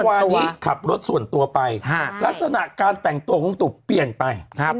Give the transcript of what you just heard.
วานี้ขับรถส่วนตัวไปลักษณะการแต่งตัวของตุบเปลี่ยนไป